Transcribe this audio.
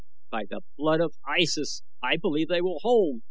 "By the blood of Issus, I believe they will hold!"